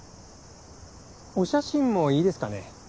お写真もいいですかね？